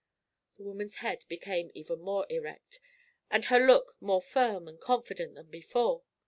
The woman's head became even more erect, and her look more firm and confident than before.